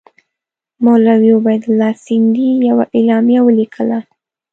مولوي عبیدالله سندي یوه اعلامیه ولیکله.